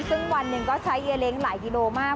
ซึ่งวันหนึ่งก็ใช้เยเล้งหลายกิโลมาก